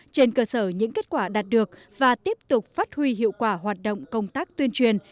trên cơ sở những kết quả đạt được và tiếp tục phát huy hiệu quả hoạt động công tác tuyên truyền